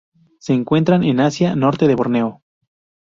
Se encuentran en Asia: norte de Borneo.